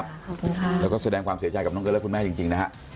ขอบคุณค่ะแล้วก็แสดงความเสียใจกับน้องเกิ้และคุณแม่จริงนะฮะ